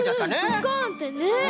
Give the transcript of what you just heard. ドカンってね。